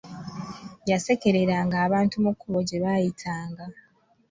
Yasekereranga abantu mu kkubo gye baayitanga.